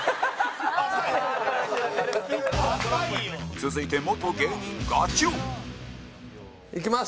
続いて、元芸人、ガチ王いきます。